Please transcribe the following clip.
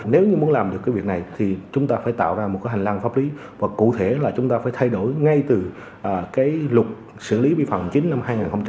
nếu như muốn làm được cái việc này thì chúng ta phải tạo ra một cái hành lang pháp lý và cụ thể là chúng ta phải thay đổi ngay từ cái luật xử lý vi phạm hành chính năm hai nghìn một mươi ba